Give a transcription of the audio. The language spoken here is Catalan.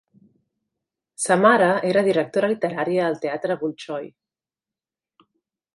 Sa mare era directora literària al Teatre Bolxoi.